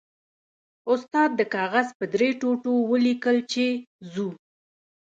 استاد د کاغذ په درې ټوټو ولیکل چې ځو.